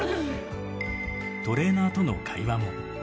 トレーナーとの会話も。